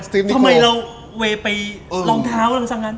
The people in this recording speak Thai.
ทำไมเราเวย์ไปรองเท้าเราซะงั้น